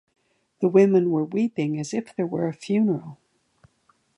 The women were weeping as if there were a funeral.